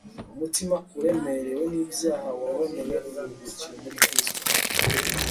umutima uremerewe n’ibyaha waboneye uburuhukiro muri kristo